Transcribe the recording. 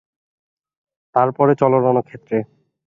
তার পরে, চলো রণক্ষেত্রে!